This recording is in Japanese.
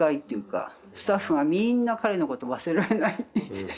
スタッフがみんな彼のことを忘れられない。